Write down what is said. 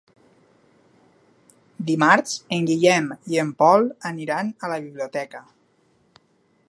Dimarts en Guillem i en Pol aniran a la biblioteca.